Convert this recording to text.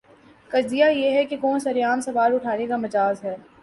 قضیہ یہ ہے کہ کون سر عام سوال اٹھانے کا مجاز ہے؟